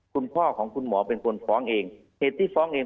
คุณพ่อของคุณหมอเป็นคนฟ้องเองเหตุที่ฟ้องเอง